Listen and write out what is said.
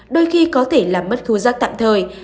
đôi khi có thể làm mất khứu rắc tạm thời